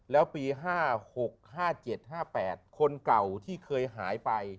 แล้วปี๕๖๕๗๕๘คนเก่าที่เคยหายไป